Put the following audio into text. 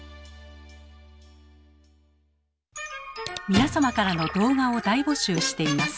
皆様からの動画を大募集しています。